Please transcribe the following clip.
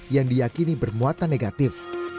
yang diakini bermuatan negatif